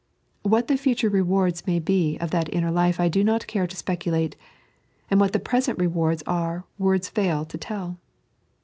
What the future rewards may be of that inner life I do not care to speculate, and what the prceent rewards are words fail to tell.